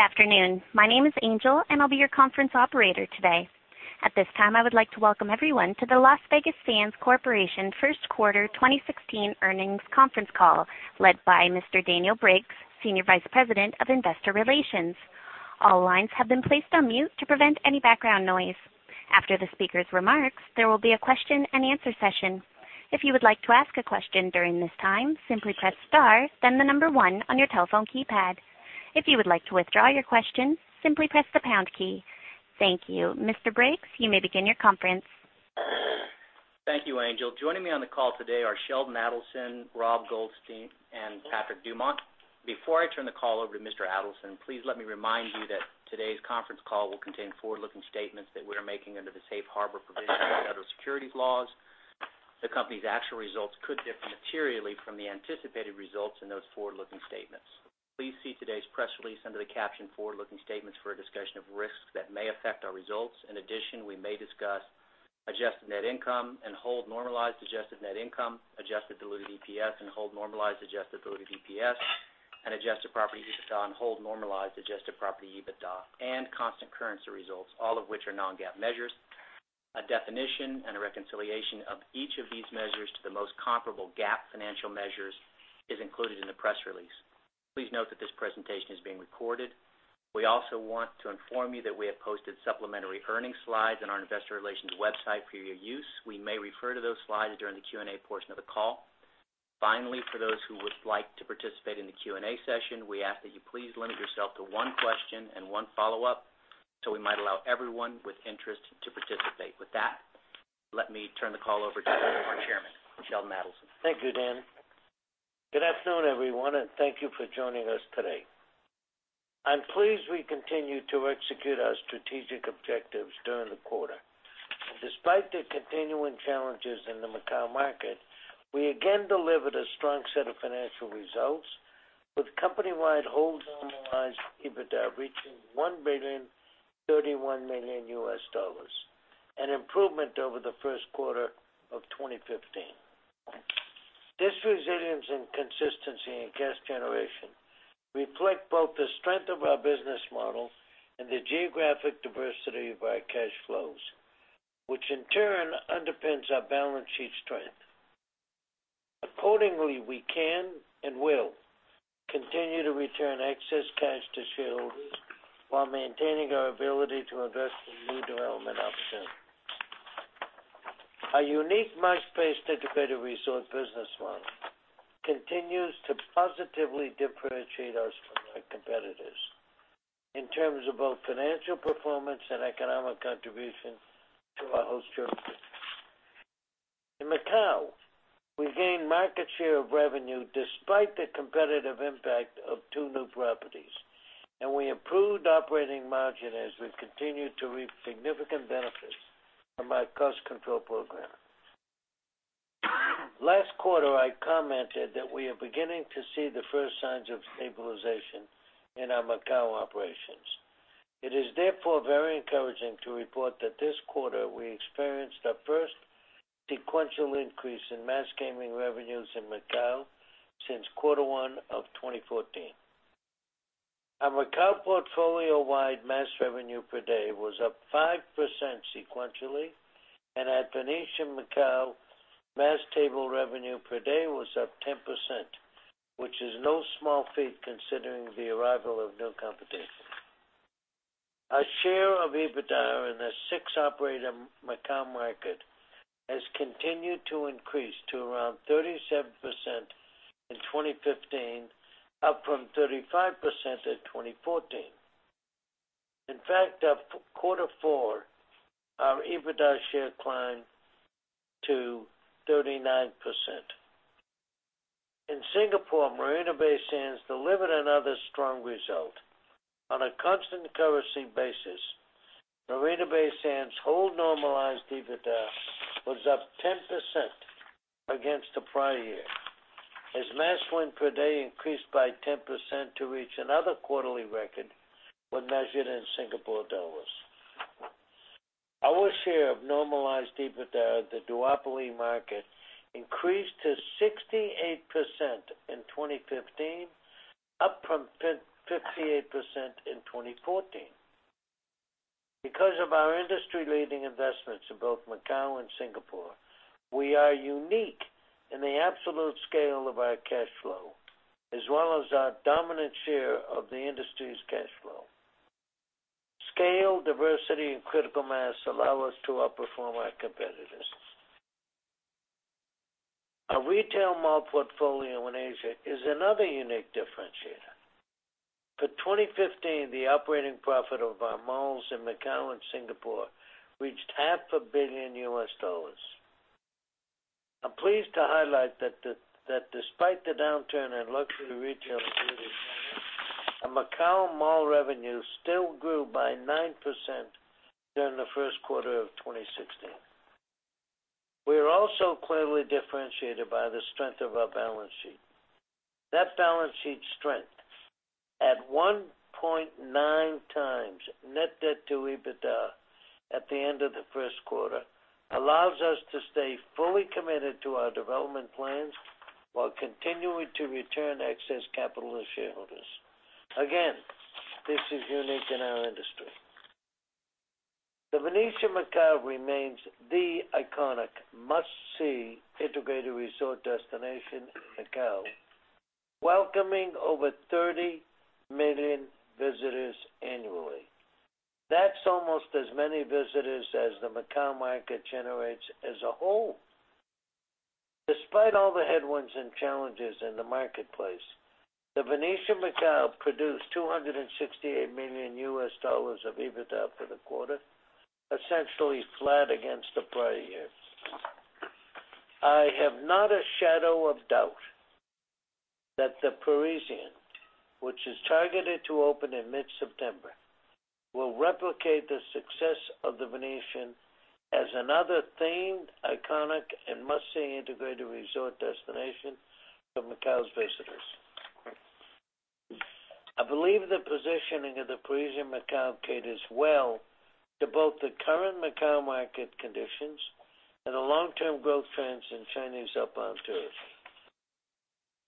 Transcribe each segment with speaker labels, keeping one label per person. Speaker 1: Good afternoon. My name is Angel, and I'll be your conference operator today. At this time, I would like to welcome everyone to the Las Vegas Sands Corp. first quarter 2016 earnings conference call, led by Mr. Daniel Briggs, Senior Vice President of Investor Relations. All lines have been placed on mute to prevent any background noise. After the speakers' remarks, there will be a question-and-answer session. If you would like to ask a question during this time, simply press star, then the number one on your telephone keypad. If you would like to withdraw your question, simply press the pound key. Thank you. Mr. Briggs, you may begin your conference.
Speaker 2: Thank you, Angel. Joining me on the call today are Sheldon Adelson, Robert Goldstein, and Patrick Dumont. Before I turn the call over to Mr. Adelson, please let me remind you that today's conference call will contain forward-looking statements that we are making under the safe harbor provisions of the federal securities laws. The company's actual results could differ materially from the anticipated results in those forward-looking statements. Please see today's press release under the caption forward-looking statements for a discussion of risks that may affect our results. In addition, we may discuss adjusted net income and hold-normalized adjusted net income, adjusted diluted EPS and hold-normalized adjusted diluted EPS, and adjusted property EBITDA and hold-normalized adjusted property EBITDA and constant currency results, all of which are non-GAAP measures. A definition and a reconciliation of each of these measures to the most comparable GAAP financial measures is included in the press release. Please note that this presentation is being recorded. We also want to inform you that we have posted supplementary earnings slides on our investor relations website for your use. We may refer to those slides during the Q&A portion of the call. Finally, for those who would like to participate in the Q&A session, we ask that you please limit yourself to one question and one follow-up, so we might allow everyone with interest to participate. With that, let me turn the call over to our chairman, Sheldon Adelson.
Speaker 3: Thank you, Dan. Good afternoon, everyone, and thank you for joining us today. I'm pleased we continue to execute our strategic objectives during the quarter. Despite the continuing challenges in the Macau market, we again delivered a strong set of financial results with company-wide hold-normalized EBITDA reaching $1.031 billion, an improvement over the first quarter of 2015. This resilience and consistency in cash generation reflect both the strength of our business model and the geographic diversity of our cash flows, which in turn underpins our balance sheet strength. Accordingly, we can and will continue to return excess cash to shareholders while maintaining our ability to address the new development opportunity. Our unique mass-based integrated resort business model continues to positively differentiate us from our competitors in terms of both financial performance and economic contribution to our host jurisdiction. In Macau, we gained market share of revenue despite the competitive impact of two new properties, and we improved operating margin as we continued to reap significant benefits from our cost control program. Last quarter, I commented that we are beginning to see the first signs of stabilization in our Macau operations. It is therefore very encouraging to report that this quarter we experienced our first sequential increase in mass gaming revenues in Macau since quarter one of 2014. Our Macau portfolio-wide mass revenue per day was up 5% sequentially, and at The Venetian Macao, mass table revenue per day was up 10%, which is no small feat considering the arrival of new competition. Our share of EBITDA in the six-operator Macau market has continued to increase to around 37% in 2015, up from 35% in 2014. In fact, quarter four, our EBITDA share climbed to 39%. In Singapore, Marina Bay Sands delivered another strong result. On a constant currency basis, Marina Bay Sands hold-normalized EBITDA was up 10% against the prior year as mass win per day increased by 10% to reach another quarterly record when measured in SGD. Our share of normalized EBITDA at the duopoly market increased to 68% in 2015, up from 58% in 2014. Because of our industry-leading investments in both Macau and Singapore, we are unique in the absolute scale of our cash flow, as well as our dominant share of the industry's cash flow. Scale, diversity, and critical mass allow us to outperform our competitors. Our retail mall portfolio in Asia is another unique differentiator. For 2015, the operating profit of our malls in Macau and Singapore reached half a billion U.S. dollars. I'm pleased to highlight that despite the downturn in luxury retail our Macau mall revenue still grew by 9% during the first quarter of 2016. We are also clearly differentiated by the strength of our balance sheet. That balance sheet strength, at $1.9 to Net debt to EBITDA at the end of the first quarter allows us to stay fully committed to our development plans while continuing to return excess capital to shareholders. Again, this is unique in our industry. The Venetian Macao remains the iconic must-see integrated resort destination in Macau, welcoming over 30 million visitors annually. That's almost as many visitors as the Macau market generates as a whole. Despite all the headwinds and challenges in the marketplace, The Venetian Macao produced $268 million U.S. of EBITDA for the quarter, essentially flat against the prior year. I have not a shadow of doubt that The Parisian, which is targeted to open in mid-September, will replicate the success of The Venetian as another themed, iconic, and must-see integrated resort destination for Macau's visitors. I believe the positioning of The Parisian Macao caters well to both the current Macau market conditions and the long-term growth trends in Chinese outbound tourism.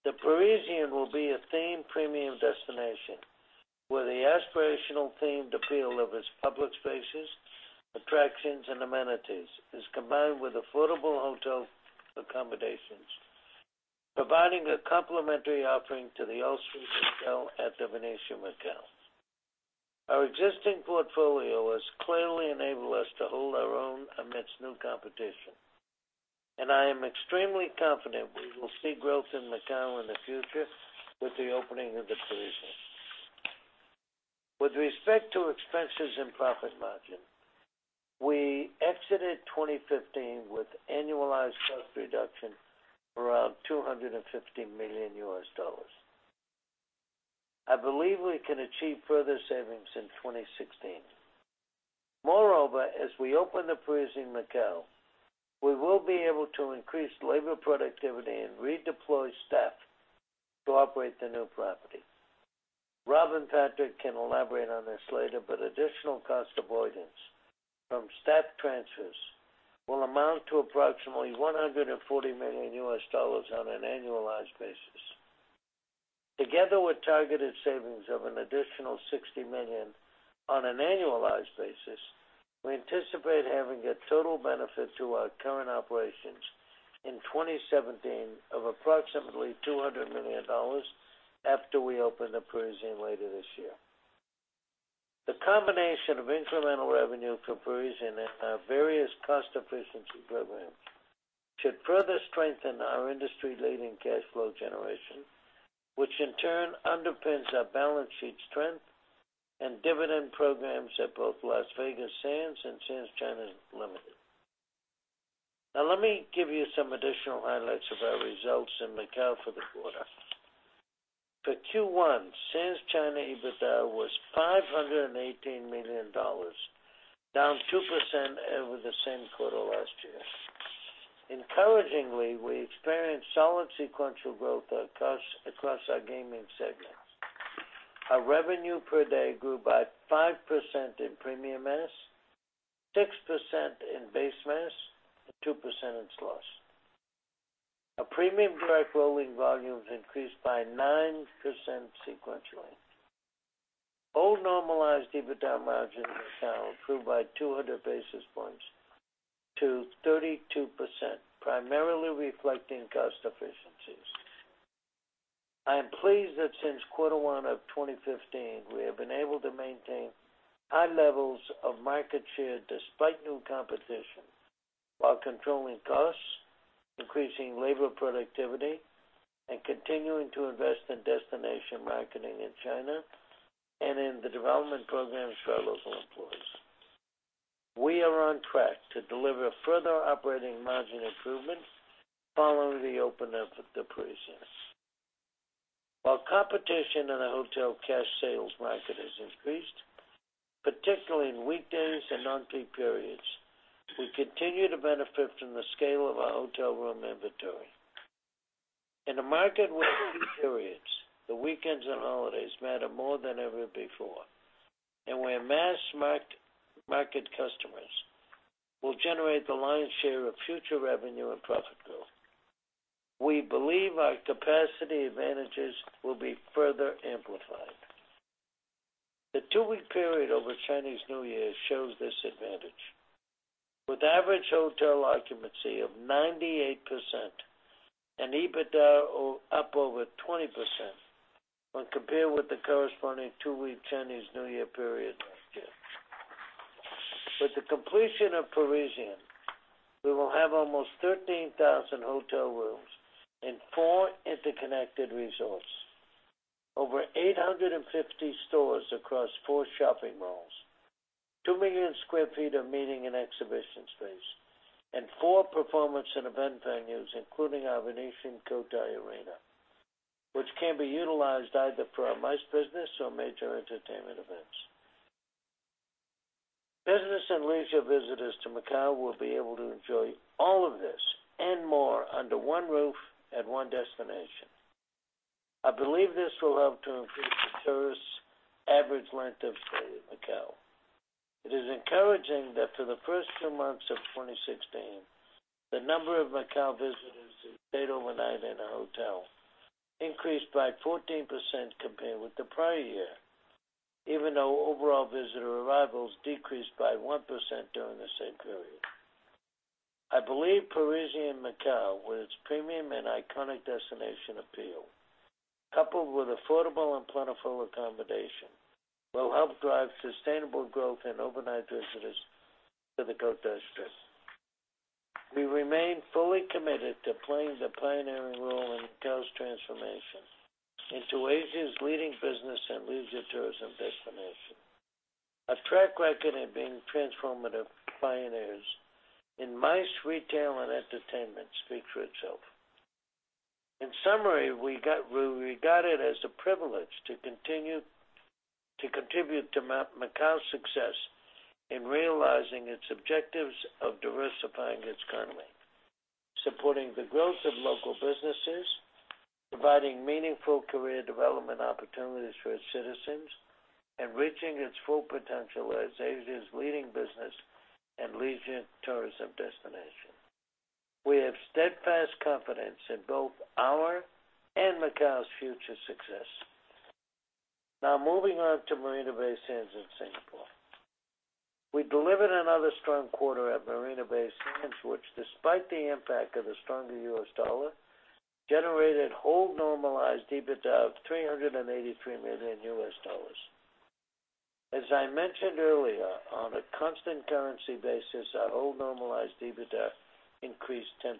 Speaker 3: The Parisian will be a themed premium destination, where the aspirational themed appeal of its public spaces, attractions, and amenities is combined with affordable hotel accommodations, providing a complementary offering to the ultra-luxury hotel at The Venetian Macao. Our existing portfolio has clearly enabled us to hold our own amidst new competition, and I am extremely confident we will see growth in Macau in the future with the opening of The Parisian. With respect to expenses and profit margin, we exited 2015 with annualized cost reduction around $250 million. I believe we can achieve further savings in 2016. Moreover, as we open The Parisian Macao, we will be able to increase labor productivity and redeploy staff to operate the new property. Rob and Patrick can elaborate on this later, but additional cost avoidance from staff transfers will amount to approximately $140 million on an annualized basis. Together with targeted savings of an additional $60 million on an annualized basis, we anticipate having a total benefit to our current operations in 2017 of approximately $200 million after we open The Parisian later this year. The combination of incremental revenue from The Parisian and our various cost efficiency programs should further strengthen our industry-leading cash flow generation, which in turn underpins our balance sheet strength and dividend programs at both Las Vegas Sands and Sands China Limited. Let me give you some additional highlights of our results in Macau for the quarter. For Q1, Sands China EBITDA was $518 million, down 2% over the same quarter last year. Encouragingly, we experienced solid sequential growth across our gaming segments. Our revenue per day grew by 5% in premium mass, 6% in base mass, and 2% in slots. Our premium direct rolling volumes increased by 9% sequentially. hold-normalized adjusted property EBITDA margin in Macau improved by 200 basis points to 32%, primarily reflecting cost efficiencies. I am pleased that since quarter one of 2015, we have been able to maintain high levels of market share despite new competition while controlling costs, increasing labor productivity, and continuing to invest in destination marketing in China and in the development programs for our local employees. We are on track to deliver further operating margin improvement following the open-up of The Parisian. While competition in the hotel cash sales market has increased, particularly on weekdays and non-peak periods, we continue to benefit from the scale of our hotel room inventory. In a market with key periods, the weekends and holidays matter more than ever before, and where mass market customers will generate the lion's share of future revenue and profit growth. We believe our capacity advantages will be further amplified. The two-week period over Chinese New Year shows this advantage, with average hotel occupancy of 98% and EBITDA up over 20% when compared with the corresponding two-week Chinese New Year period last year. With the completion of The Parisian, we will have almost 13,000 hotel rooms in four interconnected resorts, over 850 stores across four shopping malls, 2 million sq ft of meeting and exhibition space, and four performance and event venues, including our Venetian Cotai Arena, which can be utilized either for our MICE business or major entertainment events. Business and leisure visitors to Macau will be able to enjoy all of this and more under one roof at one destination. I believe this will help to increase the tourists' average length of stay in Macau. It is encouraging that for the first 2 months of 2016, the number of Macau visitors who stayed overnight in a hotel increased by 14% compared with the prior year, even though overall visitor arrivals decreased by 1% during the same period. I believe The Parisian Macao, with its premium and iconic destination appeal, coupled with affordable and plentiful accommodation, will help drive sustainable growth in overnight visitors to the Cotai Strip. We remain fully committed to playing the pioneering role in Macau's transformation into Asia's leading business and leisure tourism destination. Our track record in being transformative pioneers in MICE, retail, and entertainment speaks for itself. In summary, we regard it as a privilege to contribute to Macau's success in realizing its objectives of diversifying its economy, supporting the growth of local businesses, providing meaningful career development opportunities for its citizens, and reaching its full potential as Asia's leading business and leisure tourism destination. We have steadfast confidence in both our and Macau's future success. Moving on to Marina Bay Sands in Singapore. We delivered another strong quarter at Marina Bay Sands, which despite the impact of the stronger U.S. dollar, generated hold-normalized EBITDA of $383 million. As I mentioned earlier, on a constant currency basis, our hold-normalized EBITDA increased 10%.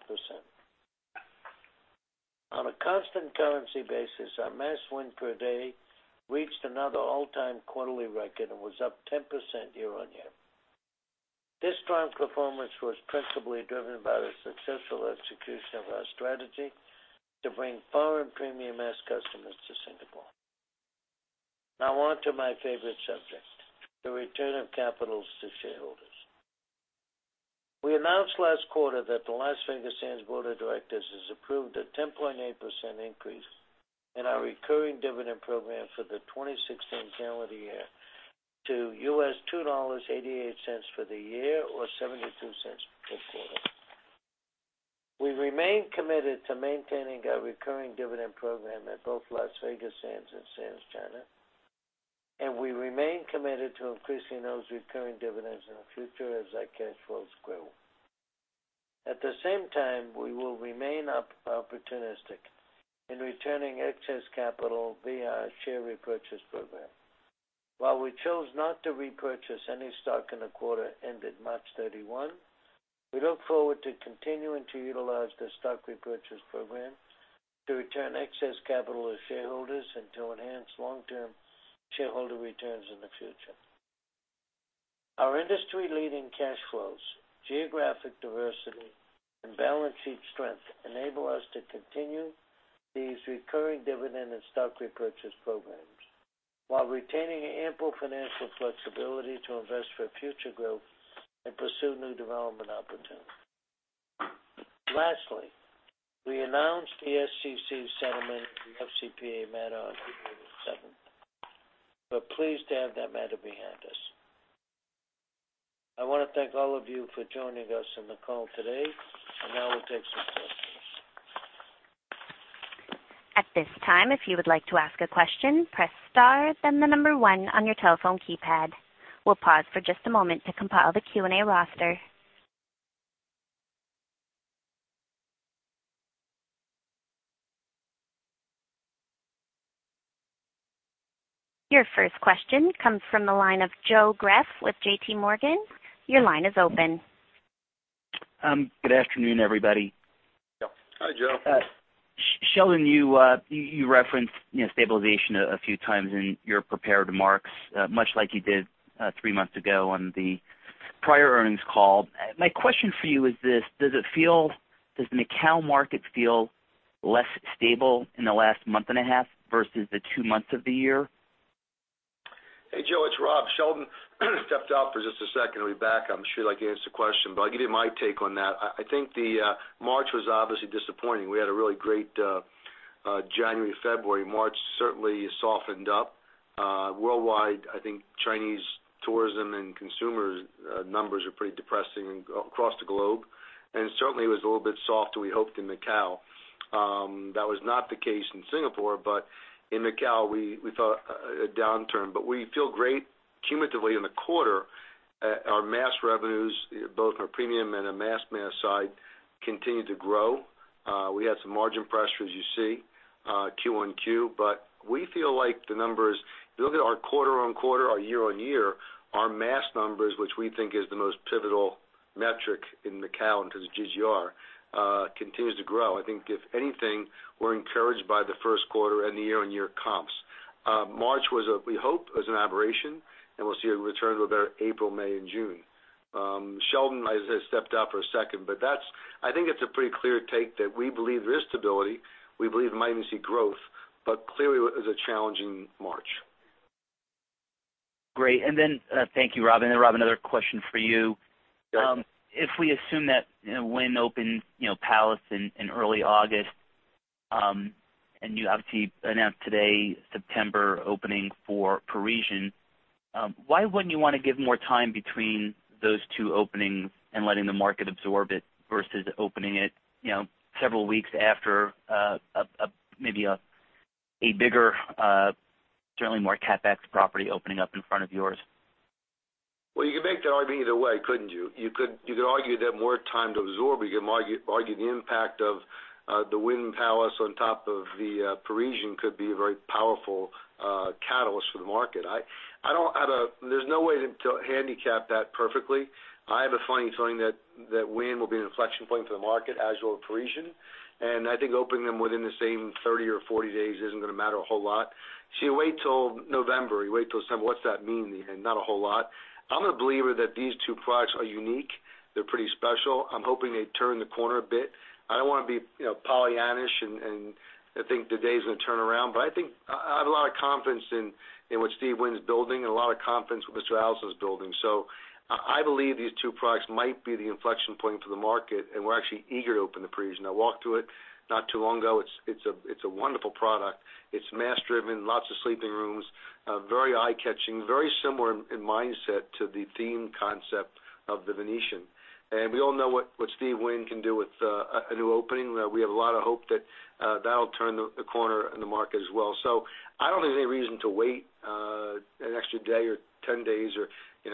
Speaker 3: On a constant currency basis, our mass win per day reached another all-time quarterly record and was up 10% year-on-year. This strong performance was principally driven by the successful execution of our strategy to bring foreign premium mass customers to Singapore. On to my favorite subject, the return of capitals to shareholders. We announced last quarter that the Las Vegas Sands Board of Directors has approved a 10.8% increase in our recurring dividend program for the 2016 calendar year to $2.88 for the year or $0.72 per quarter. We remain committed to maintaining our recurring dividend program at both Las Vegas Sands and Sands China, we remain committed to increasing those recurring dividends in the future as our cash flows grow. At the same time, we will remain opportunistic in returning excess capital via our share repurchase program. While we chose not to repurchase any stock in the quarter ended March 31, we look forward to continuing to utilize the stock repurchase program to return excess capital to shareholders and to enhance long-term shareholder returns in the future. Our industry-leading cash flows, geographic diversity, and balance sheet strength enable us to continue these recurring dividend and stock repurchase programs while retaining ample financial flexibility to invest for future growth and pursue new development opportunities. Lastly, we announced the SEC settlement of the FCPA matter on April 7th. We're pleased to have that matter behind us. I want to thank all of you for joining us on the call today, now we'll take some questions.
Speaker 1: At this time, if you would like to ask a question, press star then the number one on your telephone keypad. We'll pause for just a moment to compile the Q&A roster. Your first question comes from the line of Joseph Greff with J.P. Morgan. Your line is open.
Speaker 4: Good afternoon, everybody.
Speaker 3: Hi, Joe.
Speaker 4: Sheldon, you referenced stabilization a few times in your prepared remarks, much like you did three months ago on the prior earnings call. My question for you is this: Does the Macau market feel less stable in the last month and a half versus the two months of the year?
Speaker 5: Hey, Joe. It's Rob. Sheldon stepped out for just a second. He'll be back. I'm sure he'd like to answer the question, but I'll give you my take on that. I think March was obviously disappointing. We had a really great January, February. March certainly softened up. Worldwide, I think Chinese tourism and consumer numbers are pretty depressing across the globe. Certainly, it was a little bit softer we hoped in Macau. That was not the case in Singapore, but in Macau, we thought a downturn, but we feel great cumulatively in the quarter. Our mass revenues, both our premium and the mass side, continue to grow.
Speaker 3: We had some margin pressure, as you see, Q1Q. We feel like the numbers. If you look at our quarter-on-quarter, our year-on-year, our mass numbers, which we think is the most pivotal metric in Macau because it's GGR, continues to grow. I think if anything, we're encouraged by the first quarter and the year-on-year comps. March was, we hope, an aberration, and we'll see a return to a better April, May, and June. Sheldon, as I said, stepped out for a second. I think it's a pretty clear take that we believe there is stability. We believe we might even see growth. Clearly, it was a challenging March.
Speaker 4: Great. Thank you, Rob. Then, Rob, another question for you.
Speaker 5: Sure.
Speaker 4: If we assume that Wynn opened Palace in early August, you obviously announced today September opening for Parisian, why wouldn't you want to give more time between those two openings and letting the market absorb it versus opening it several weeks after maybe a bigger, certainly more CapEx property opening up in front of yours?
Speaker 5: You could make the argument either way, couldn't you? You could argue they have more time to absorb. You could argue the impact of the Wynn Palace on top of the Parisian could be a very powerful catalyst for the market. There's no way to handicap that perfectly. I have a funny feeling that Wynn will be an inflection point for the market, as will Parisian. I think opening them within the same 30 or 40 days isn't going to matter a whole lot. You wait till November, you wait till December, what's that mean? Not a whole lot. I'm a believer that these two products are unique. They're pretty special. I'm hoping they turn the corner a bit. I don't want to be Pollyanna-ish and think today's going to turn around, but I have a lot of confidence in what Steve Wynn's building and a lot of confidence in what Mr. Adelson's building. I believe these two products might be the inflection point for the market, and we're actually eager to open the Parisian. I walked through it not too long ago. It's a wonderful product. It's mass-driven, lots of sleeping rooms, very eye-catching, very similar in mindset to the theme concept of The Venetian. We all know what Steve Wynn can do with a new opening. We have a lot of hope that that'll turn the corner in the market as well. I don't think there's any reason to wait an extra day or 10 days or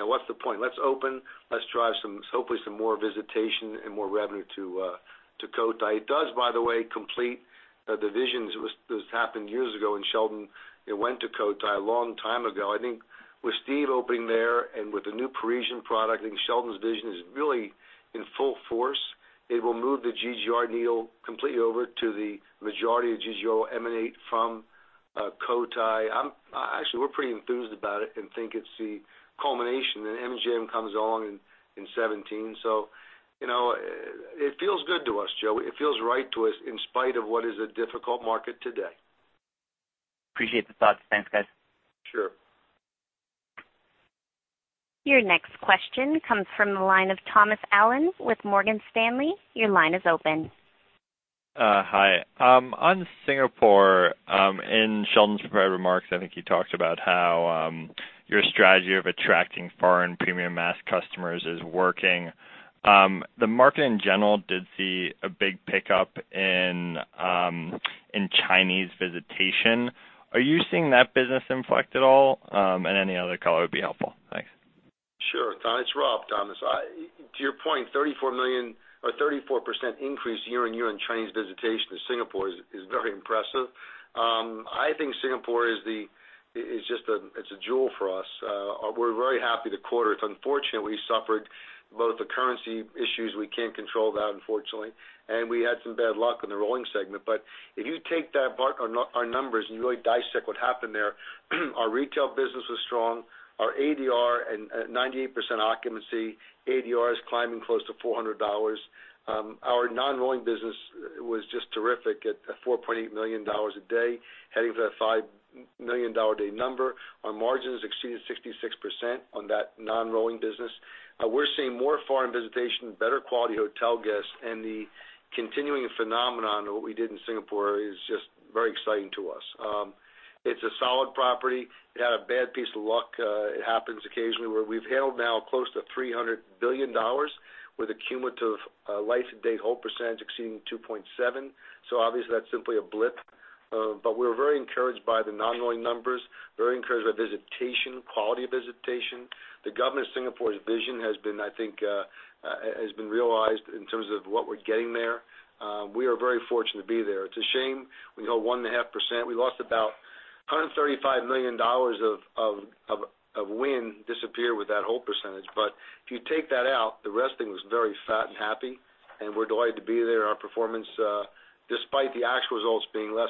Speaker 5: what's the point? Let's open, let's drive hopefully some more visitation and more revenue to Cotai. It does, by the way, complete the visions. This happened years ago, Sheldon went to Cotai a long time ago. I think with Steve opening there and with the new Parisian product, I think Sheldon's vision is really in full force. It will move the GGR needle completely over to the majority of GGR will emanate from Cotai. We're pretty enthused about it and think it's the culmination. MGM comes along in 2017. It feels good to us, Joe. It feels right to us in spite of what is a difficult market today.
Speaker 4: Appreciate the thoughts. Thanks, guys.
Speaker 5: Sure.
Speaker 1: Your next question comes from the line of Thomas Allen with Morgan Stanley. Your line is open.
Speaker 6: Hi. On Singapore, in Sheldon's prepared remarks, I think he talked about how your strategy of attracting foreign premium mass customers is working. The market in general did see a big pickup in Chinese visitation. Are you seeing that business inflect at all? Any other color would be helpful. Thanks.
Speaker 5: Sure, Tom. It's Rob, Thomas. To your point, 34% increase year-on-year in Chinese visitation to Singapore is very impressive. I think Singapore is a jewel for us. We're very happy the quarter, it's unfortunate we suffered both the currency issues, we can't control that, unfortunately, and we had some bad luck in the rolling segment. If you take our numbers and you really dissect what happened there, our retail business was strong. Our ADR and 98% occupancy, ADR is climbing close to $400. Our non-rolling business was just terrific at $4.8 million a day, heading for that $5 million day number. Our margins exceeded 66% on that non-rolling business. We're seeing more foreign visitation, better quality hotel guests, and the continuing phenomenon of what we did in Singapore is just very exciting to us. It's a solid property. It had a bad piece of luck. It happens occasionally where we've handled now close to $300 billion with a cumulative life to date hold percentage exceeding 2.7%. Obviously, that's simply a blip. We're very encouraged by the non-rolling numbers, very encouraged by visitation, quality visitation. The government of Singapore's vision has been, I think, realized in terms of what we're getting there. We are very fortunate to be there. It's a shame we go 1.5%. We lost about $135 million of win disappear with that hold percentage. If you take that out, the rest of things was very fat and happy, and we're delighted to be there. Our performance, despite the actual results being less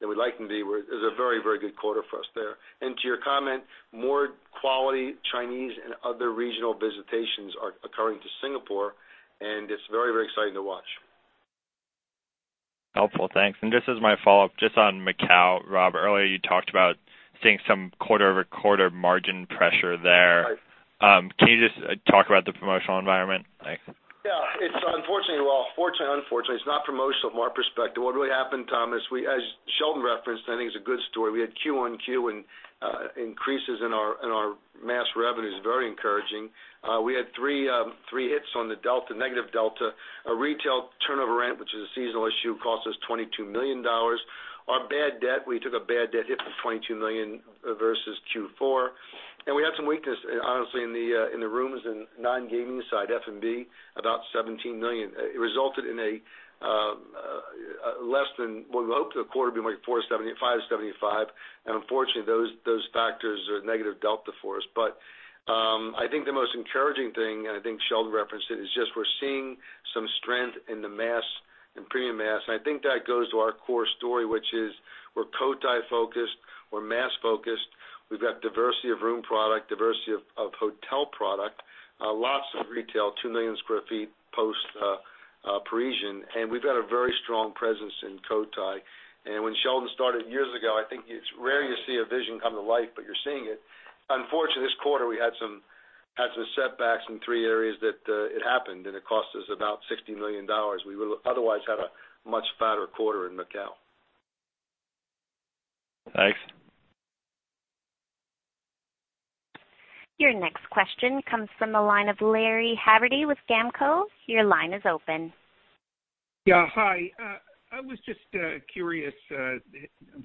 Speaker 5: than we'd like them to be, it was a very, very good quarter for us there. To your comment, more quality Chinese and other regional visitations are occurring to Singapore, and it's very, very exciting to watch.
Speaker 6: Helpful. Thanks. Just as my follow-up, just on Macau, Rob, earlier you talked about seeing some quarter-over-quarter margin pressure there.
Speaker 5: Right.
Speaker 6: Can you just talk about the promotional environment? Thanks.
Speaker 5: Yeah. Unfortunately, well, fortunately, unfortunately, it's not promotional, more perspective. What really happened, Thomas, as Sheldon referenced, I think it's a good story. We had Q1 increases in our mass revenues, very encouraging. We had three hits on the negative delta. A retail turnover rent, which is a seasonal issue, cost us $22 million. Our bad debt, we took a bad debt hit for $22 million versus Q4. We had some weakness, honestly, in the rooms and non-gaming side, F&B, about $17 million. It resulted in a less than, well, we hoped the quarter would be more like $470 million, $575 million, and unfortunately, those factors are negative delta for us. I think the most encouraging thing, and I think Sheldon referenced it, is just we're seeing some strength in the mass and premium mass. I think that goes to our core story, which is we're Cotai-focused, we're mass-focused. We've got diversity of room product, diversity of hotel product, lots of retail, 2 million sq ft post Parisian, and we've got a very strong presence in Cotai. When Sheldon started years ago, I think it's rare to see a vision come to life, but you're seeing it. Unfortunately, this quarter, we had some setbacks in three areas that it happened, and it cost us about $60 million. We would otherwise have a much fatter quarter in Macau.
Speaker 6: Thanks.
Speaker 1: Your next question comes from the line of Lawrence Haverty with GAMCO. Your line is open.
Speaker 7: Yeah, hi. I was just curious, I'm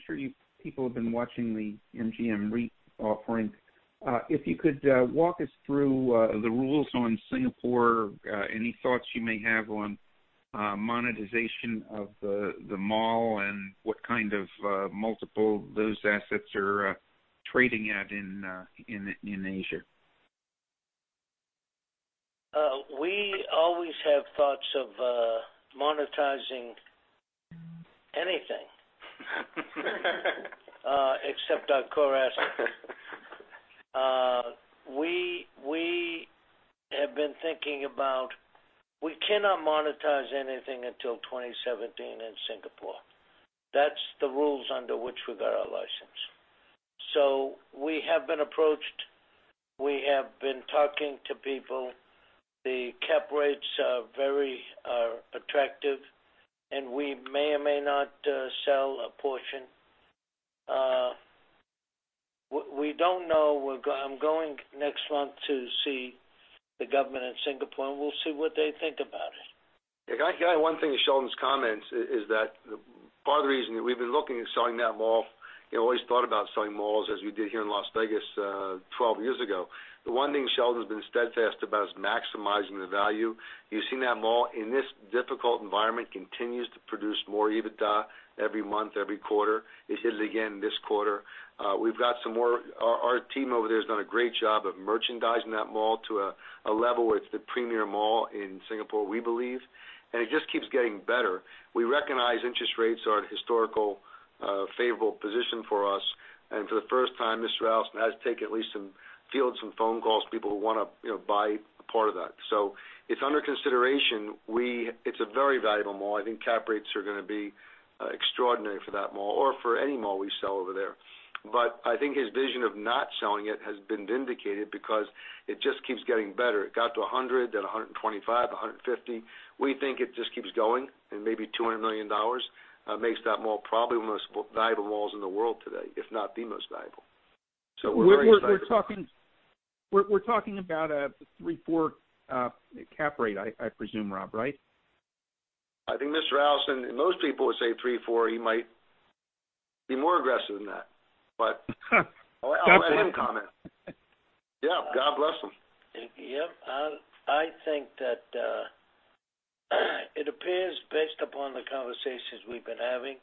Speaker 7: sure you people have been watching the MGM REIT offering. If you could walk us through the rules on Singapore, any thoughts you may have on monetization of the mall and what kind of multiple those assets are trading at in Asia.
Speaker 3: We always have thoughts of monetizing anything except our core assets. We have been thinking about, we cannot monetize anything until 2017 in Singapore. That's the rules under which we got our license. We have been approached. We have been talking to people. The cap rates are very attractive, and we may or may not sell a portion. We don't know. I'm going next month to see the government in Singapore, we'll see what they think about it.
Speaker 5: Can I add one thing to Sheldon's comments is that part of the reason that we've been looking at selling that mall, always thought about selling malls as we did here in Las Vegas 12 years ago. The one thing Sheldon's been steadfast about is maximizing the value. You've seen that mall, in this difficult environment, continues to produce more EBITDA every month, every quarter. It did it again this quarter. Our team over there has done a great job of merchandising that mall to a level where it's the premier mall in Singapore, we believe, and it just keeps getting better. We recognize interest rates are at a historical favorable position for us, and for the first time, Mr. Adelson has taken at least some field, some phone calls, people who want to buy a part of that. It's under consideration. It's a very valuable mall. I think cap rates are going to be extraordinary for that mall or for any mall we sell over there. I think his vision of not selling it has been vindicated because it just keeps getting better. It got to $100 million, then $125 million, $150 million. We think it just keeps going and maybe $200 million makes that mall probably one of the most valuable malls in the world today, if not the most valuable. We're very excited.
Speaker 7: We're talking about a three, four cap rate, I presume, Rob, right?
Speaker 5: I think Mr. Adelson and most people would say three, four. He might be more aggressive than that, but I'll let him comment. Yeah, God bless him.
Speaker 3: Yep, I think that it appears, based upon the conversations we've been having,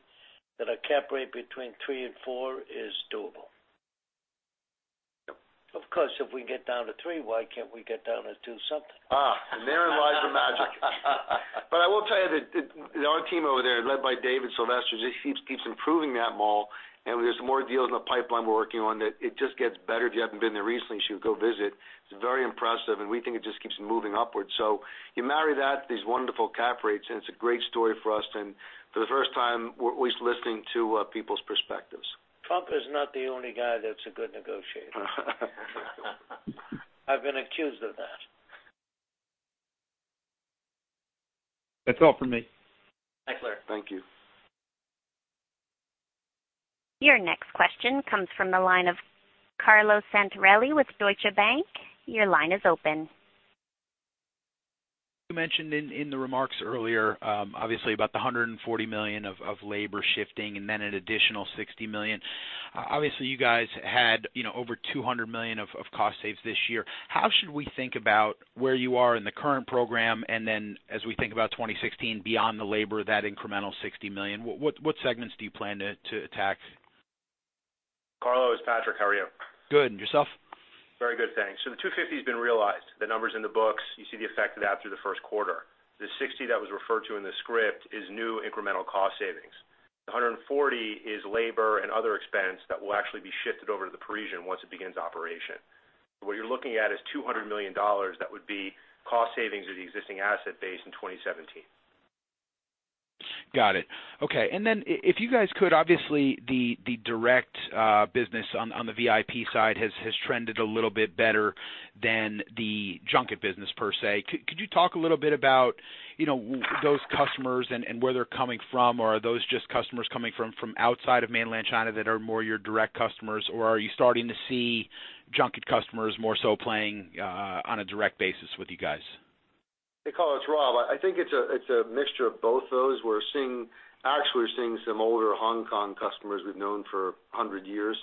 Speaker 3: that a cap rate between three and four is doable.
Speaker 5: Yep.
Speaker 3: Of course, if we can get down to three, why can't we get down to two something?
Speaker 5: Therein lies the magic. I will tell you that our team over there, led by David Sylvester, just keeps improving that mall, and there's more deals in the pipeline we're working on that it just gets better. If you haven't been there recently, you should go visit. It's very impressive, and we think it just keeps moving upwards. You marry that to these wonderful cap rates, and it's a great story for us. For the first time, we're at least listening to people's perspectives.
Speaker 3: Trump is not the only guy that's a good negotiator. I've been accused of that.
Speaker 7: That's all for me.
Speaker 8: Thanks, Larry.
Speaker 5: Thank you.
Speaker 1: Your next question comes from the line of Carlo Santarelli with Deutsche Bank. Your line is open.
Speaker 9: You mentioned in the remarks earlier, obviously about the $140 million of labor shifting and then an additional $60 million. Obviously, you guys had over $200 million of cost saves this year. How should we think about where you are in the current program, and then as we think about 2016, beyond the labor, that incremental $60 million, what segments do you plan to attack?
Speaker 8: Carlo, it's Patrick. How are you?
Speaker 9: Good. Yourself?
Speaker 8: Very good, thanks. The $250's been realized. The number's in the books. You see the effect of that through the first quarter. The $60 that was referred to in the script is new incremental cost savings. The $140 is labor and other expense that will actually be shifted over to The Parisian once it begins operation. What you're looking at is $200 million that would be cost savings of the existing asset base in 2017.
Speaker 9: Got it. Okay, if you guys could, obviously, the direct business on the VIP side has trended a little bit better than the junket business per se. Could you talk a little bit about those customers and where they're coming from? Or are those just customers coming from outside of Mainland China that are more your direct customers? Or are you starting to see junket customers more so playing on a direct basis with you guys?
Speaker 5: Hey, Carlo, it's Rob. I think it's a mixture of both those. Actually, we're seeing some older Hong Kong customers we've known for 100 years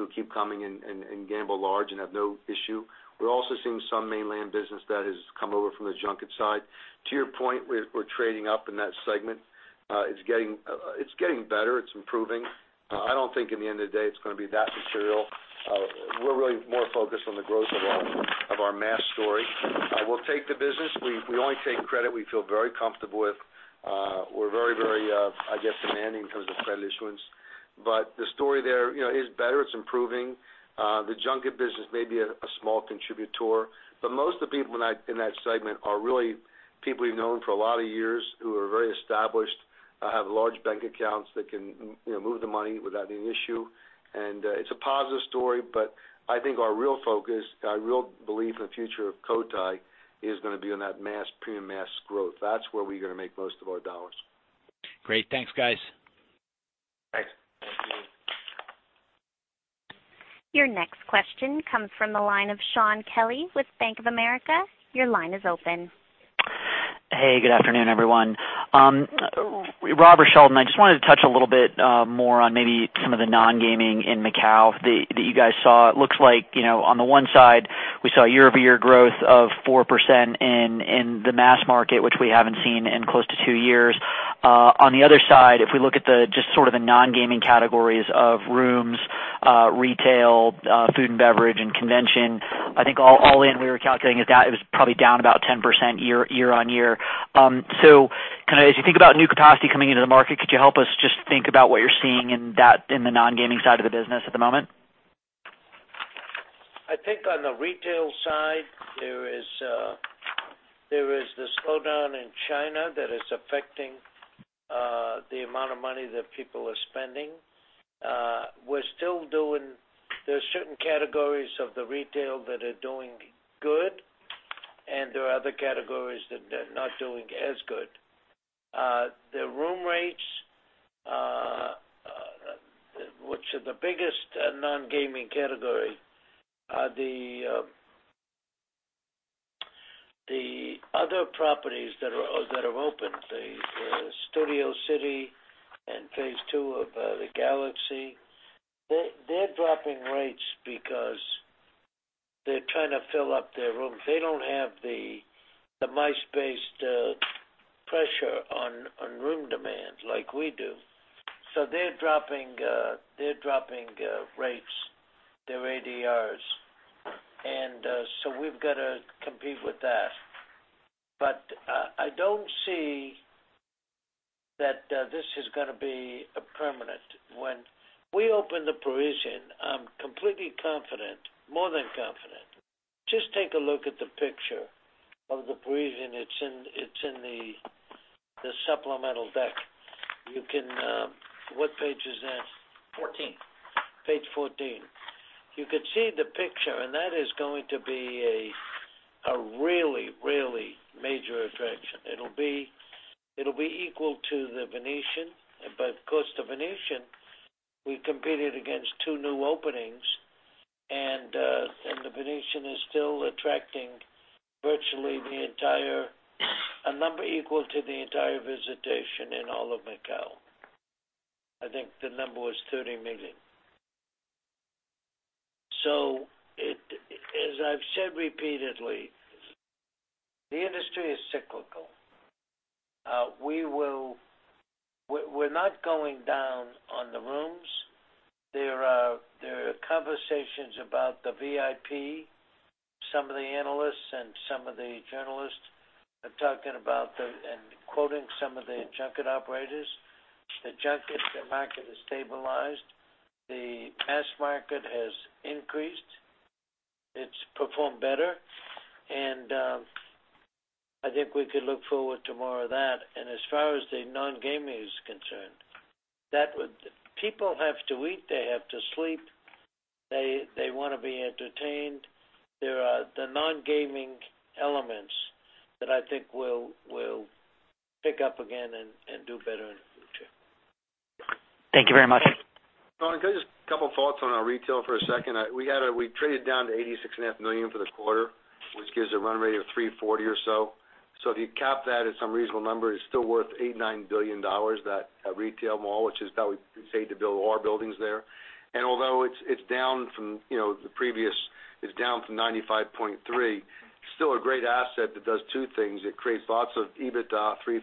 Speaker 5: who keep coming and gamble large and have no issue. We're also seeing some Mainland business that has come over from the junket side. To your point, we're trading up in that segment. It's getting better. It's improving. I don't think in the end of the day it's going to be that material. We're really more focused on the growth of our Mass. We'll take the business. We only take credit we feel very comfortable with. We're very, I guess, demanding in terms of credit issuance. The story there is better. It's improving. The junket business may be a small contributor, most of the people in that segment are really people we've known for a lot of years, who are very established, have large bank accounts that can move the money without any issue. It's a positive story, I think our real focus, our real belief in the future of Cotai, is going to be on that Mass, Premium Mass growth. That's where we're going to make most of our dollars.
Speaker 9: Great. Thanks, guys.
Speaker 5: Thanks.
Speaker 3: Thank you.
Speaker 1: Your next question comes from the line of Shaun Kelley with Bank of America. Your line is open.
Speaker 10: Hey, good afternoon, everyone. Rob or Sheldon, I just wanted to touch a little bit more on maybe some of the non-gaming in Macau that you guys saw. It looks like, on the one side, we saw year-over-year growth of 4% in the mass market, which we haven't seen in close to two years. On the other side, if we look at just sort of the non-gaming categories of rooms, retail, food and beverage, and convention, I think all in, we were calculating it was probably down about 10% year-on-year. As you think about new capacity coming into the market, could you help us just think about what you're seeing in the non-gaming side of the business at the moment?
Speaker 3: I think on the retail side, there is the slowdown in China that is affecting the amount of money that people are spending. There are certain categories of the retail that are doing good, and there are other categories that are not doing as good. The room rates, which are the biggest non-gaming category, are the other properties that have opened, the Studio City and phase 2 of the Galaxy. They're dropping rates because they're trying to fill up their rooms. They don't have the MICE-based pressure on room demand like we do. They're dropping rates, their ADRs. We've got to compete with that. I don't see that this is going to be permanent. When we open the Parisian, I'm completely confident, more than confident. Just take a look at the picture of the Parisian. It's in the supplemental deck. What page is that?
Speaker 5: Fourteen.
Speaker 3: Page 14. That is going to be a really major attraction. It will be equal to The Venetian Macao. Of course, The Venetian Macao, we competed against 2 new openings, and The Venetian Macao is still attracting virtually a number equal to the entire visitation in all of Macau. I think the number was $30 million. As I've said repeatedly, the industry is cyclical. We're not going down on the rooms. There are conversations about the VIP. Some of the analysts and some of the journalists are talking about and quoting some of the junket operators. The junket market has stabilized. The mass market has increased. It's performed better, and I think we could look forward to more of that. As far as the non-gaming is concerned, people have to eat, they have to sleep, they want to be entertained. There are the non-gaming elements that I think will pick up again and do better in the future.
Speaker 10: Thank you very much.
Speaker 5: Shaun, can I just, a couple of thoughts on our retail for a second. We traded down to $86.5 million for the quarter, which gives a run rate of $340 or so. If you cap that at some reasonable number, it's still worth $8 billion, $9 billion, that retail mall, which is about we could save to build our buildings there. Although it's down from $95.3, still a great asset that does two things. It creates lots of EBITDA, $350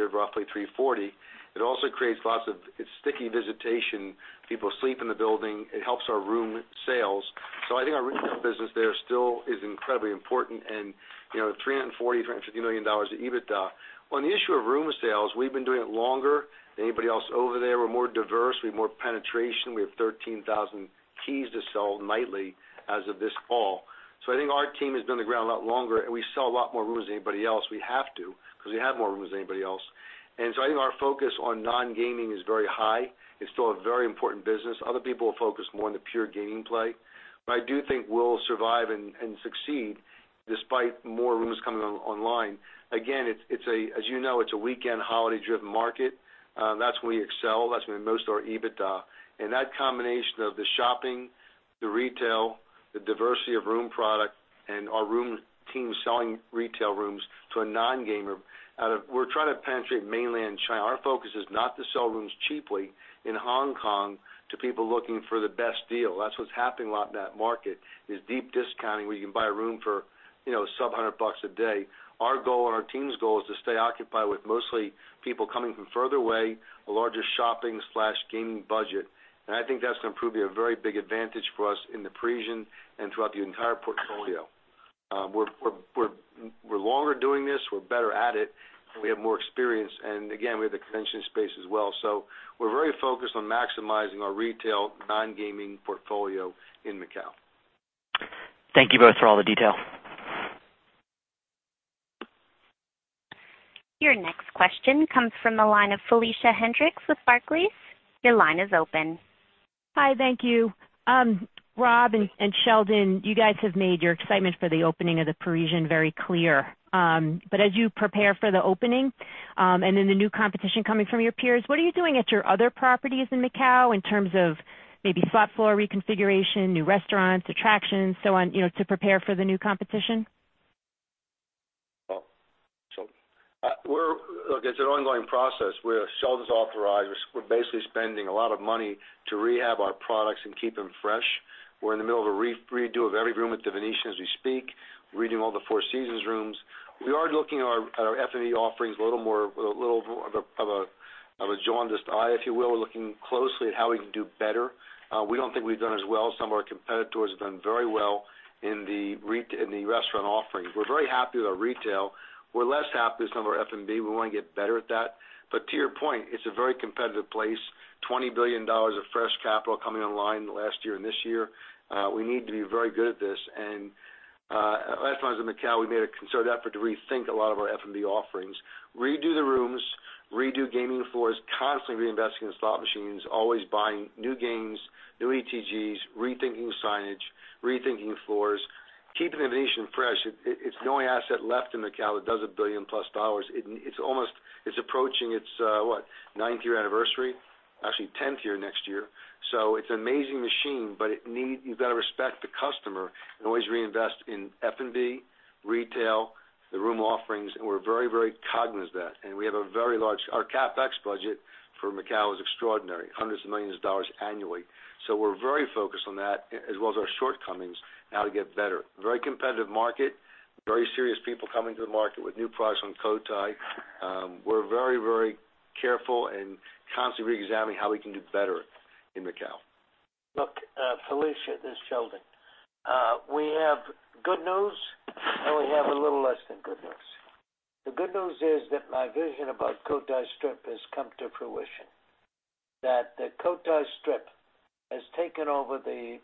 Speaker 5: or roughly $340. It also creates lots of sticky visitation. People sleep in the building. It helps our room sales. I think our retail business there still is incredibly important and $340 million, $350 million of EBITDA. On the issue of room sales, we've been doing it longer than anybody else over there. We're more diverse. We have more penetration. We have 13,000 keys to sell nightly as of this fall. I think our team has been on the ground a lot longer, and we sell a lot more rooms than anybody else. We have to because we have more rooms than anybody else. I think our focus on non-gaming is very high. It is still a very important business. Other people are focused more on the pure gaming play. I do think we will survive and succeed despite more rooms coming online. Again, as you know, it is a weekend holiday-driven market. That is where we excel. That is where we host our EBITDA. That combination of the shopping, the retail, the diversity of room product, and our room team selling retail rooms to a non-gamer. We are trying to penetrate Mainland China. Our focus is not to sell rooms cheaply in Hong Kong to people looking for the best deal. That is what is happening a lot in that market, is deep discounting where you can buy a room for sub $100 a day. Our goal and our team's goal is to stay occupied with mostly people coming from further away, a larger shopping/gaming budget. I think that is going to prove to be a very big advantage for us in The Parisian and throughout the entire portfolio. We are longer doing this, we are better at it, and we have more experience. Again, we have the convention space as well. We are very focused on maximizing our retail non-gaming portfolio in Macau.
Speaker 10: Thank you both for all the detail.
Speaker 1: Your next question comes from the line of Felicia Hendrix with Barclays. Your line is open.
Speaker 11: Hi, thank you. Rob and Sheldon, you guys have made your excitement for the opening of The Parisian Macao very clear. As you prepare for the opening, and then the new competition coming from your peers, what are you doing at your other properties in Macau in terms of maybe slot floor reconfiguration, new restaurants, attractions, so on, to prepare for the new competition?
Speaker 5: Well, look, it's an ongoing process. With Sheldon's authorization, we're basically spending a lot of money to rehab our products and keep them fresh. We're in the middle of a redo of every room at The Venetian Macao as we speak. Redoing all the Four Seasons rooms. We are looking at our F&B offerings with a little more of a jaundiced eye, if you will. We're looking closely at how we can do better. We don't think we've done as well. Some of our competitors have done very well in the restaurant offerings. We're very happy with our retail. We're less happy with some of our F&B. We want to get better at that. To your point, it's a very competitive place, $20 billion of fresh capital coming online last year and this year. We need to be very good at this. Last time I was in Macau, we made a concerted effort to rethink a lot of our F&B offerings, redo the rooms, redo gaming floors, constantly reinvesting in slot machines, always buying new games, new ETGs, rethinking signage, rethinking floors, keeping The Venetian Macao fresh. It's the only asset left in Macau that does a $1 billion-plus. It's approaching its ninth year anniversary, actually 10th year next year. It's an amazing machine, but you've got to respect the customer and always reinvest in F&B, retail, the room offerings, and we're very, very cognizant of that. Our CapEx budget for Macau is extraordinary, hundreds of millions of dollars annually. We're very focused on that as well as our shortcomings, and how to get better. Very competitive market, very serious people coming to the market with new products on Cotai. We're very careful and constantly reexamining how we can do better in Macau.
Speaker 3: Look, Felicia Hendrix, this is Sheldon. We have good news, and we have a little less than good news. The good news is that my vision about Cotai Strip has come to fruition, that the Cotai Strip has taken over the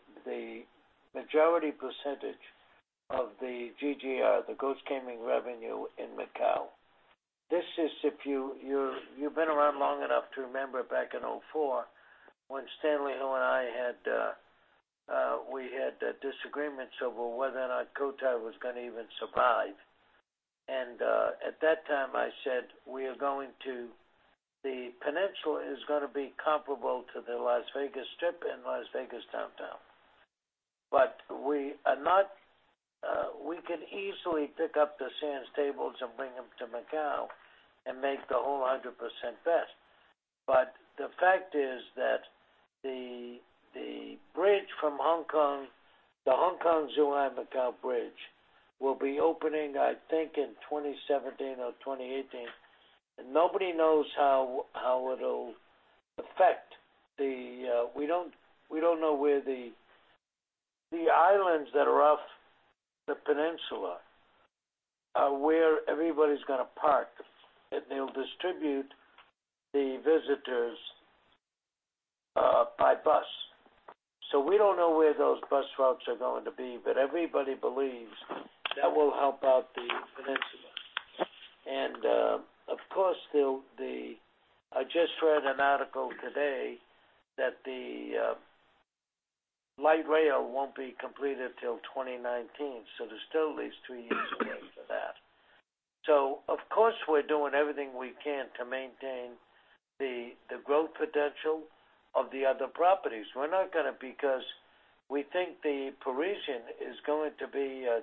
Speaker 3: majority percentage of the GGR, the gross gaming revenue in Macau. This is if you've been around long enough to remember back in 2004 when Stanley Ho and I had disagreements over whether or not Cotai was going to even survive. At that time, I said, "The peninsula is going to be comparable to the Las Vegas Strip in Las Vegas downtown." We could easily pick up the Sands tables and bring them to Macau and make the whole 100% best. The fact is that the Hong Kong-Zhuhai-Macau bridge will be opening, I think, in 2017 or 2018. Nobody knows how it'll affect the, we don't know where the islands that are off the peninsula are, where everybody's going to park, and they'll distribute the visitors by bus. We don't know where those bus routes are going to be, but everybody believes that will help out the peninsula. Of course, I just read an article today that the light rail won't be completed till 2019, so there's still at least two years to wait for that. Of course, we're doing everything we can to maintain the growth potential of the other properties. We're not going to because we think The Parisian is going to be a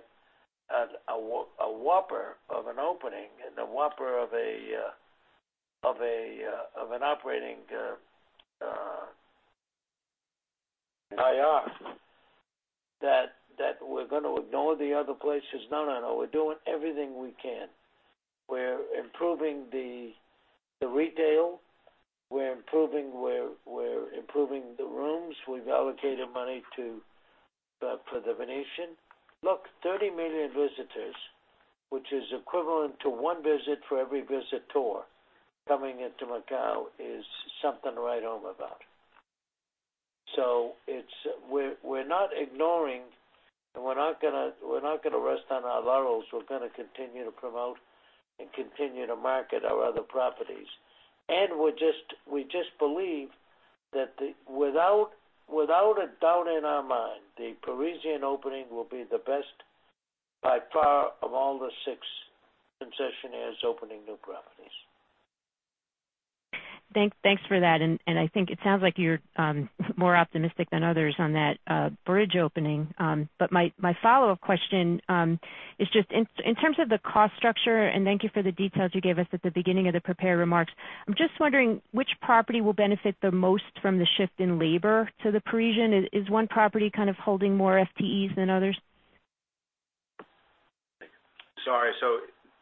Speaker 3: whopper of an opening and a whopper of an operating IR, that we're going to ignore the other places. No, we're doing everything we can. We're improving the retail. We're improving the rooms. We've allocated money for The Venetian. Look, 30 million visitors, which is equivalent to one visit for every visitor coming into Macau, is something to write home about. We're not ignoring, and we're not going to rest on our laurels. We're going to continue to promote and continue to market our other properties. We just believe that without a doubt in our mind, The Parisian opening will be the best by far of all the six concessionaires opening new properties.
Speaker 11: Thanks for that, and I think it sounds like you're more optimistic than others on that bridge opening. My follow-up question is just in terms of the cost structure, and thank you for the details you gave us at the beginning of the prepared remarks. I'm just wondering which property will benefit the most from the shift in labor to The Parisian. Is one property kind of holding more FTEs than others?
Speaker 5: Sorry.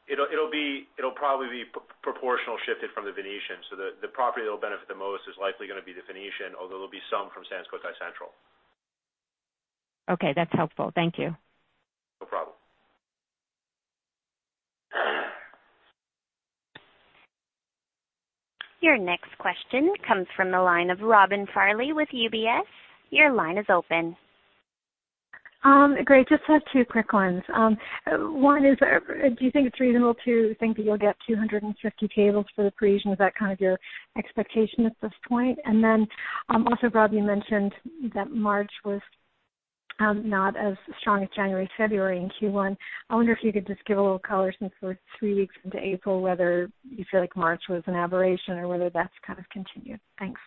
Speaker 5: It'll probably be proportional shifted from The Venetian. The property that'll benefit the most is likely going to be The Venetian, although there'll be some from Sands Cotai Central.
Speaker 11: Okay. That's helpful. Thank you.
Speaker 5: No problem.
Speaker 1: Your next question comes from the line of Robin Farley with UBS. Your line is open.
Speaker 12: Great. Just have two quick ones. One is, do you think it's reasonable to think that you'll get 250 tables for The Parisian? Is that kind of your expectation at this point? Also, Rob, you mentioned that March was not as strong as January, February, and Q1. I wonder if you could just give a little color, since we're three weeks into April, whether you feel like March was an aberration or whether that's kind of continued. Thanks.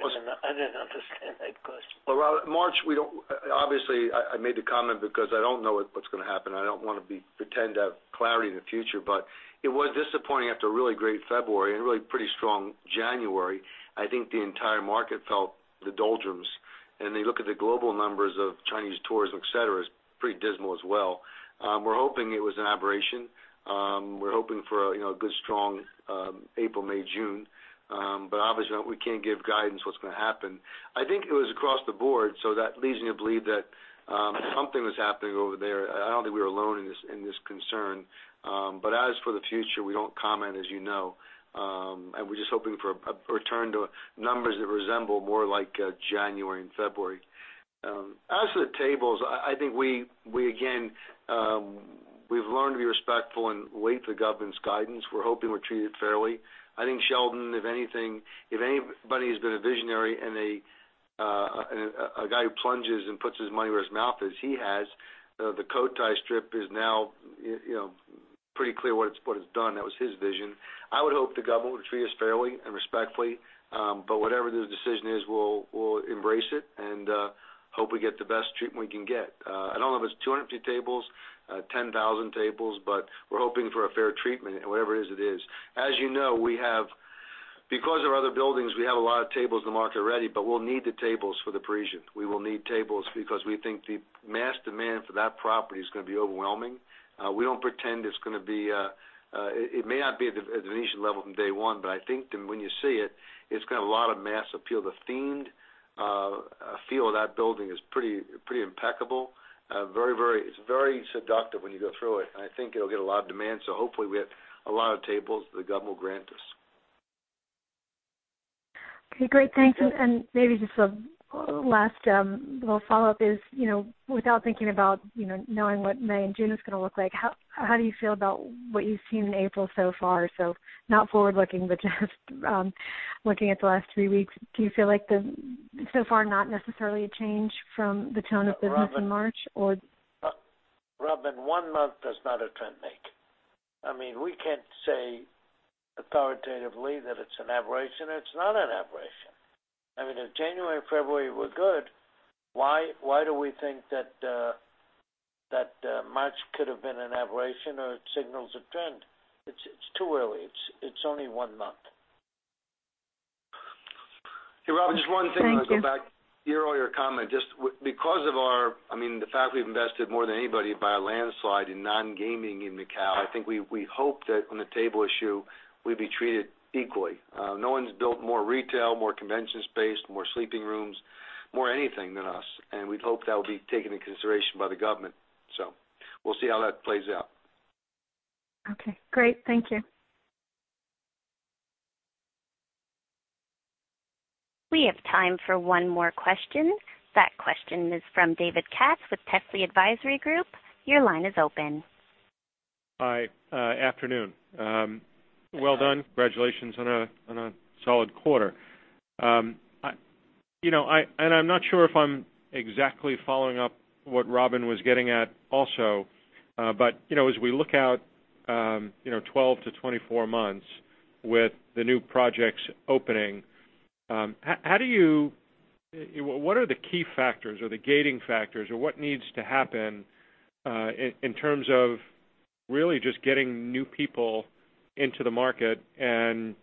Speaker 3: I didn't understand that question.
Speaker 5: Well, Robin, March, obviously, I made the comment because I don't know what's going to happen. I don't want to pretend to have clarity in the future. It was disappointing after a really great February and a really pretty strong January. I think the entire market felt the doldrums, and they look at the global numbers of Chinese tourism, et cetera, is pretty dismal as well. We're hoping it was an aberration. We're hoping for a good, strong, April, May, June. Obviously, we can't give guidance what's going to happen. I think it was across the board, so that leads me to believe that something was happening over there. I don't think we were alone in this concern. As for the future, we don't comment, as you know, and we're just hoping for a return to numbers that resemble more like January and February. As for the tables, I think we've learned to be respectful and wait for the government's guidance. We're hoping we're treated fairly. I think Sheldon, if anybody has been a visionary and a guy who plunges and puts his money where his mouth is, he has. The Cotai Strip is now pretty clear what it's done. That was his vision. I would hope the government would treat us fairly and respectfully. Whatever the decision is, we'll embrace it and hope we get the best treatment we can get. I don't know if it's 250 tables, 10,000 tables, we're hoping for a fair treatment, whatever it is it is. As you know, because of our other buildings, we have a lot of tables in the market already, we'll need the tables for The Parisian. We will need tables because we think the mass demand for that property is going to be overwhelming. We don't pretend it may not be at The Venetian level from day one, but I think that when you see it's got a lot of mass appeal. The themed feel of that building is pretty impeccable. It's very seductive when you go through it, and I think it'll get a lot of demand. Hopefully, we have a lot of tables that the government will grant us.
Speaker 12: Okay, great. Thanks. Maybe just a last little follow-up is, without thinking about knowing what May and June is going to look like, how do you feel about what you've seen in April so far? Not forward-looking, but just looking at the last three weeks, do you feel like so far, not necessarily a change from the tone of business in March.
Speaker 3: Robin, one month does not a trend make. We can't say authoritatively that it's an aberration or it's not an aberration. If January and February were good, why do we think that March could have been an aberration or it signals a trend? It's too early. It's only one month.
Speaker 5: Hey, Robin, just one thing.
Speaker 12: Thank you
Speaker 5: I'm going to go back to your comment. Just because of our, the fact we've invested more than anybody by a landslide in non-gaming in Macau, I think we hope that on the table issue, we'd be treated equally. No one's built more retail, more convention space, more sleeping rooms, more anything than us, and we'd hope that will be taken into consideration by the government. We'll see how that plays out.
Speaker 12: Okay, great. Thank you.
Speaker 1: We have time for one more question. That question is from David Katz with Telsey Advisory Group. Your line is open.
Speaker 13: Hi. Afternoon. Well done. Congratulations on a solid quarter. I'm not sure if I'm exactly following up what Robin was getting at also. As we look out, 12-24 months with the new projects opening, what are the key factors or the gating factors, or what needs to happen, in terms of really just getting new people into the market and,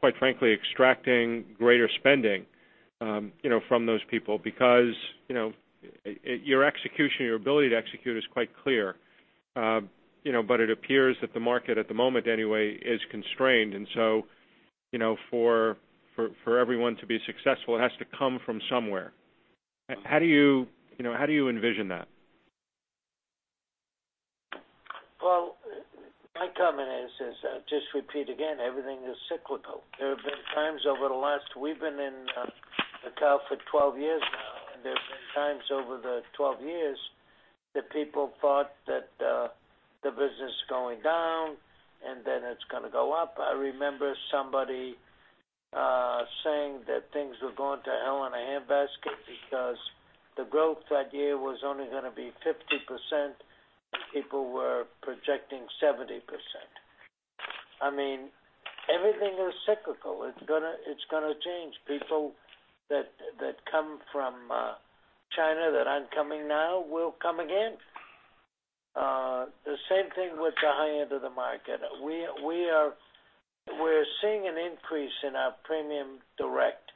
Speaker 13: quite frankly, extracting greater spending from those people? Your execution, your ability to execute is quite clear. It appears that the market at the moment, anyway, is constrained. For everyone to be successful, it has to come from somewhere. How do you envision that?
Speaker 3: My comment is, just repeat again, everything is cyclical. There have been times over the last-- we've been in Macau for 12 years now, and there's been times over the 12 years that people thought that the business is going down and then it's going to go up. I remember somebody saying that things were going to hell in a handbasket because the growth that year was only going to be 50%, and people were projecting 70%. Everything is cyclical. It's going to change. People that come from China that aren't coming now will come again. The same thing with the high end of the market. We're seeing an increase in our premium direct.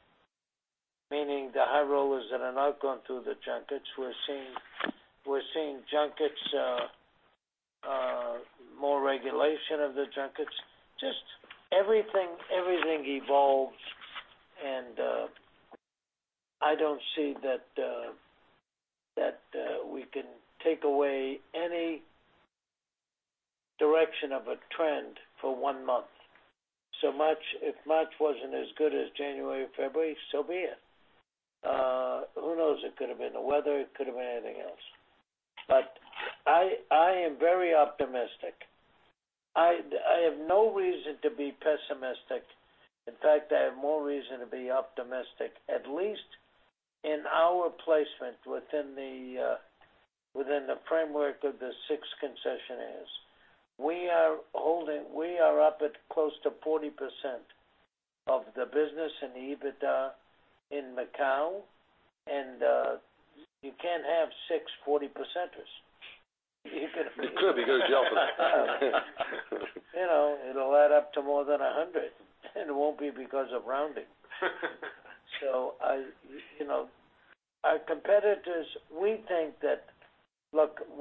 Speaker 3: Meaning the high rollers that are not going through the junkets. We're seeing junkets, more regulation of the junkets. Everything evolves, and I don't see that we can take away any direction of a trend for one month. If March wasn't as good as January or February, so be it. Who knows? It could've been the weather, it could've been anything else. I am very optimistic. I have no reason to be pessimistic. In fact, I have more reason to be optimistic, at least in our placement within the framework of the six concessionaires. We are up at close to 40% of the business in EBITDA in Macau, and you can't have six 40 percenters.
Speaker 5: It could because of Sheldon.
Speaker 3: It'll add up to more than 100, and it won't be because of rounding. Our competitors, we think that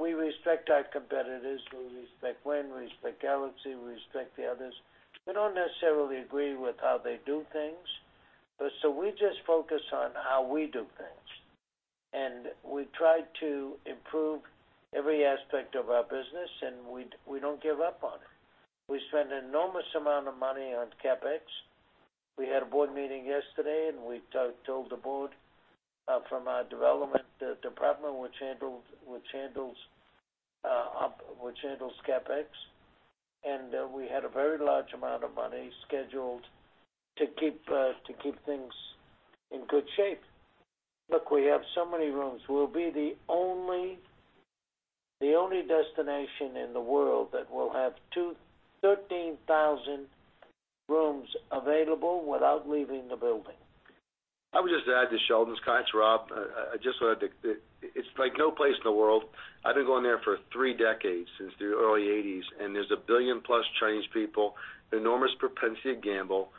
Speaker 3: We respect our competitors. We respect Wynn, we respect Galaxy, we respect the others. We don't necessarily agree with how they do things. We just focus on how we do things. We try to improve every aspect of our business, and we don't give up on it. We spend an enormous amount of money on CapEx. We had a board meeting yesterday, and we told the board from our development department, which handles CapEx. We had a very large amount of money scheduled to keep things in good shape. We have so many rooms. We'll be the only destination in the world that will have 13,000 rooms available without leaving the building.
Speaker 5: I would just add to Sheldon. Katz, it's Rob. It's like no place in the world. I've been going there for three decades, since the early '80s, and there's a billion-plus Chinese people, enormous propensity to gamble,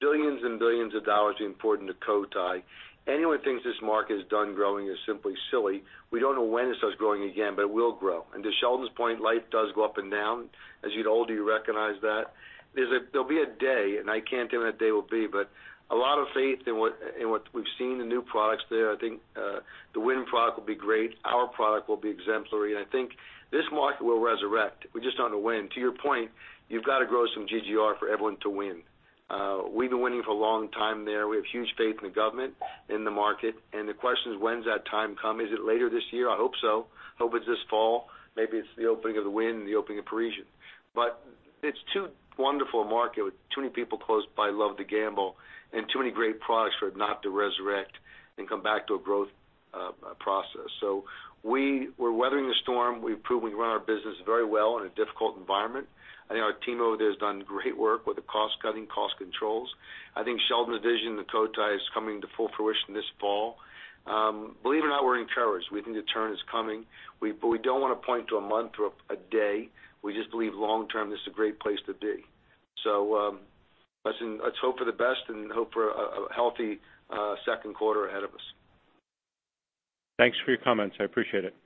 Speaker 5: billions and billions of dollars being poured into Cotai. Anyone who thinks this market is done growing is simply silly. We don't know when it starts growing again, but it will grow. To Sheldon's point, life does go up and down. As you get older, you recognize that. There'll be a day, and I can't tell when that day will be, but a lot of faith in what we've seen, the new products there. I think the Wynn product will be great. Our product will be exemplary, and I think this market will resurrect. We just don't know when. To your point, you've got to grow some GGR for everyone to win. We've been winning for a long time there. We have huge faith in the government, in the market, and the question is, when does that time come? Is it later this year? I hope so. Hope it's this fall. Maybe it's the opening of the Wynn, the opening of Parisian. It's too wonderful a market with too many people close by love to gamble, and too many great products for it not to resurrect and come back to a growth process. We're weathering the storm. We've proven we can run our business very well in a difficult environment. I think our team over there has done great work with the cost cutting, cost controls. I think Sheldon's vision of the Cotai is coming to full fruition this fall. Believe it or not, we're encouraged. We think the turn is coming. We don't want to point to a month or a day. We just believe long-term, this is a great place to be. Let's hope for the best and hope for a healthy second quarter ahead of us.
Speaker 13: Thanks for your comments. I appreciate it.